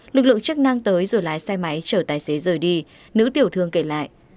lực lượng chức năng tới rồi lái xe máy chở tài xế rời đi nữ tiểu thương kể lại